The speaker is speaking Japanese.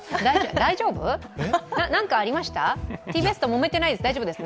大丈夫ですね。